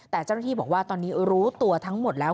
แต่เจ้าหน้าที่บอกว่าตอนนี้รู้ตัวทั้งหมดแล้ว